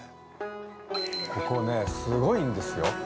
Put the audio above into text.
◆ここね、すごいんですよ。